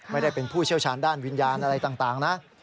ไม่ได้เป็นผู้เชี่ยวชาญด้านวิญญาณอะไรต่างนะ